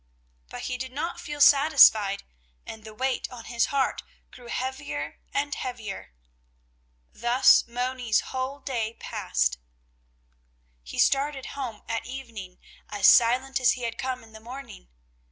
But he did not feel satisfied, and the weight on his heart grew heavier and heavier. Thus Moni's whole day passed. He started home at evening as silent as he had come in the morning.